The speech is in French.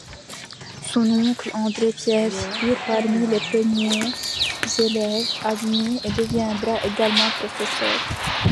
Son oncle André Pierre figure parmi les premiers élèves admis et deviendra également professeur.